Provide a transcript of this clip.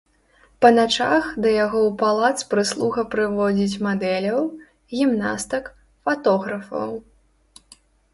Па начах да яго ў палац прыслуга прыводзіць мадэляў, гімнастак, фатографаў.